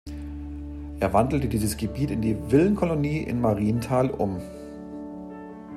Er wandelte dieses Gebiet in die Villenkolonie in Marienthal um.